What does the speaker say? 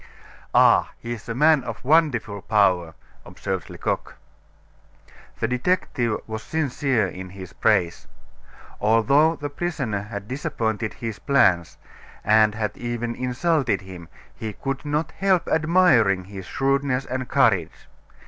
"Ah, he's a man of wonderful power!" observed Lecoq. The detective was sincere in his praise. Although the prisoner had disappointed his plans, and had even insulted him, he could not help admiring his shrewdness and courage.